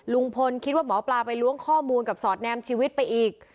ลุงพลคิดว่าหมอปลาไปล้วงข้อมูลกับสอดแนมชีวิตไปอีก